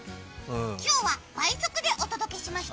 今日は倍速でお届けしました。